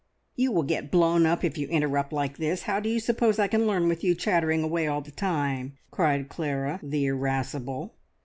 "You will get blown up if you interrupt like this! How do you suppose I can learn with you chattering away all the time?" cried Clara, the irascible.